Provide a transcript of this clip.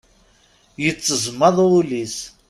Yetteẓmaḍ wul-is.